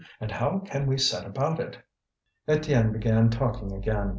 And how can we set about it?" Étienne began talking again.